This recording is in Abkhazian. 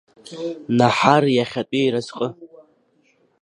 Наҳар иахьатәи иразҟы!